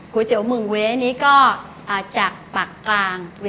คุยเตี๋ยวเมืองเวนี่ก็จากปากกลางเวียดนาม